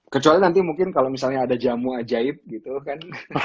kecuali nanti mungkin kalau misalnya ada jamu ajaib gitu kan